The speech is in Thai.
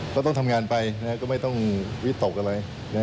ก็ต้องทำงานไปก็ไม่ต้องวิตกอะไร